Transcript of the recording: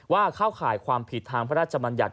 เข้าข่ายความผิดทางพระราชมัญญัติ